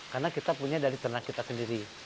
karena kita punya dari ternak kita sendiri